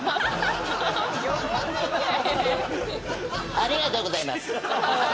ありがとうございます。